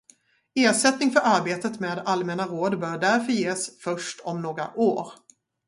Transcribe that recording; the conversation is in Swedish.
Ersättning för arbetet med allmänna råd bör därför ges först om några år.